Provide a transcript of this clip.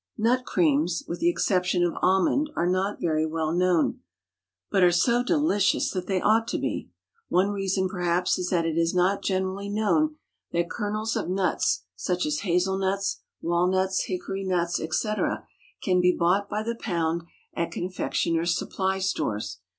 Nut creams, with the exception of almond, are not very well known, but are so delicious that they ought to be. One reason perhaps is that it is not generally known that kernels of nuts, such as hazel nuts, walnuts, hickory nuts, etc., can be bought by the pound at confectioners' supply stores.